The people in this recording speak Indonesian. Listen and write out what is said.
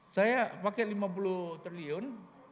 saya pakai lima puluh triliun